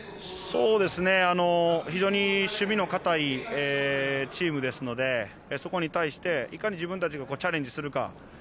◆非常に守備のかたいチームですので、そこに対していかに自分たちがチャレンジするか。